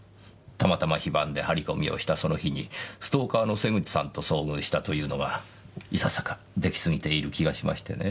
たまたま非番で張り込みをしたその日にストーカーの瀬口さんと遭遇したというのがいささか出来すぎている気がしましてね。